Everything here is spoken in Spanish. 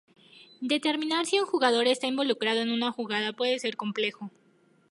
Determinar si un jugador está involucrado en una jugada puede ser complejo.